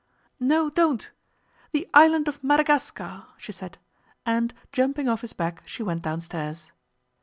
"No, don't... the island of Madagascar!" she said, and jumping off his back she went downstairs.